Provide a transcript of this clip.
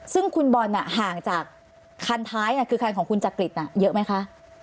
ซึ่งคุณบอลห่างจากคันท้ายคือคันของคุณจักริตเยอะไหมคะ